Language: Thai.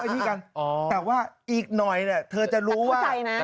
แต่ว่าอีกหน่อยเธอจะรู้ว่า